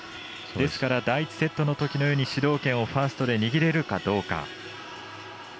ですから、第１セットのときのように主導権をファーストで握れるかどうか。